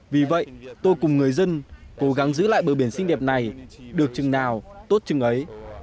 vì vậy tôi cùng người dân cố gắng giữ lại bờ biển xinh đẹp này được chừng nào tốt chừng ấy